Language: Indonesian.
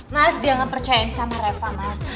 mas jangan percayain sama reva mas